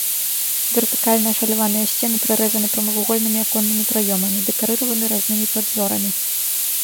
Вертыкальна ашаляваныя сцены прарэзаны прамавугольнымі аконнымі праёмамі, дэкарыраваны разнымі падзорамі.